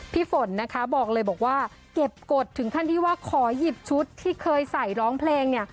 ฝนนะคะบอกเลยบอกว่าเก็บกฎถึงขั้นที่ว่าขอหยิบชุดที่เคยใส่ร้องเพลงเนี่ย